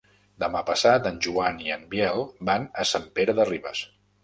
Demà passat en Joan i en Biel van a Sant Pere de Ribes.